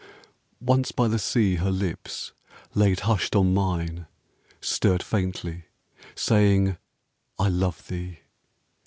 Once by the sea her lips, laid hushed on mine, Stirred faintly, saying, "I love thee!"